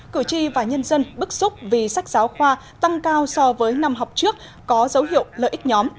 cử tri và nhân dân bức xúc vì sách giáo khoa tăng cao so với năm học trước có dấu hiệu lợi ích nhóm